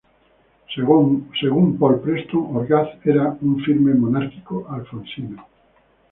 Según Paul Preston, Orgaz era un firme monárquico alfonsino.